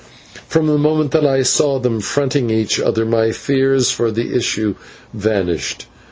From the moment that I saw them fronting each other, my fears for the issue vanished.